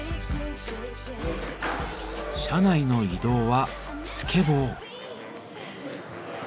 車内の移動はスケボー。